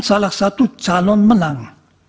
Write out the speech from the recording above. salah satu calon menang